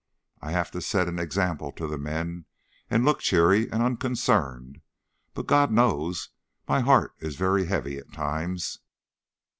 I have to set an example to the men and look cheery and unconcerned; but God knows, my heart is very heavy at times.